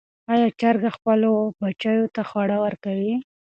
آیا چرګه خپلو بچیو ته خواړه ورکوي؟